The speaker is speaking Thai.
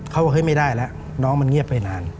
ว่าเฮ้ยไม่ได้แล้วน้องมันเงียบไปนาน